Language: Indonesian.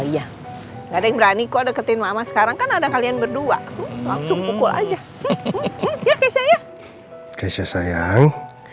ya kesha sayang